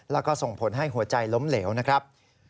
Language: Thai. แล้วก็ส่งผลให้หัวใจล้มเหลวนะครับ